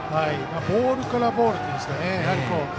ボールからボールというんですかね。